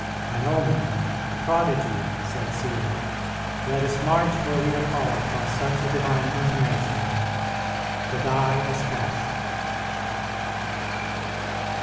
"An omen! a prodigy!" said Cćsar. "Let us march where we are called by such a divine intimation. _The die is cast.